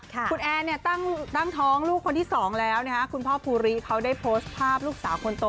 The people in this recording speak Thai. คุณแอนเนี่ยตั้งท้องลูกคนที่สองแล้วนะคะคุณพ่อภูริเขาได้โพสต์ภาพลูกสาวคนโต